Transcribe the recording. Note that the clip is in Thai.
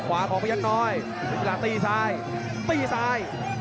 ขวาของพยักษ์น้อยถึงเวลาตีซ้ายตีซ้าย